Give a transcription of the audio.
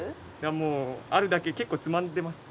もうあるだけ結構つまんでます。